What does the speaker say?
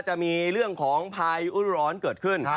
จะมีเรื่องของพายุร้อนเกิดขึ้น